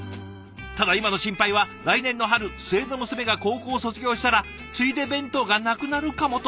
ただ今の心配は「来年の春末の娘が高校を卒業したらついで弁当がなくなるかも」ということ。